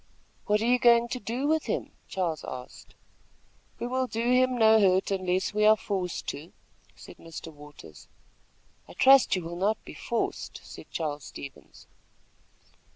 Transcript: "What are you going to do with him?" Charles asked. "We will do him no hurt unless we are forced to," said Mr. Waters. "I trust you will not be forced," said Charles Stevens.